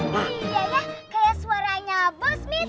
kaya suaranya bos mit